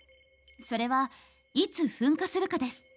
それはいつ噴火するかです。